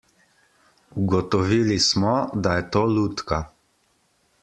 Ugotovili smo, da je to lutka.